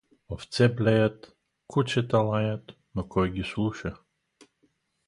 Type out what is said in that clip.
Овце блеят, кучета лаят, но кой ги слуша?